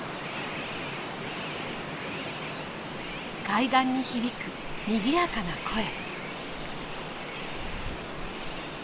海岸に響くにぎやかな声。